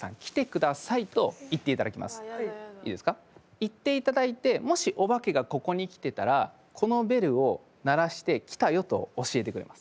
言っていただいてもしお化けがここに来てたらこのベルを鳴らして「来たよ」と教えてくれます。